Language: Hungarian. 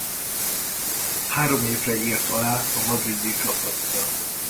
Három évre írt alá a madridi csapattal.